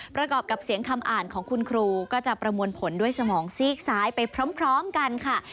ประกอบกับเสียงคำอ่านของคุณครูก็จะประมวลผลด้วยสมองซีกซ้ายไปพร้อมกันค่ะ